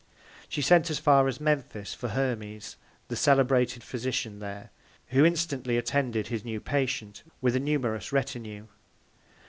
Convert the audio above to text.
She sent as far as Memphis for Hermes, the celebrated Physician there, who instantly attended his new Patient with a numerous Retinue.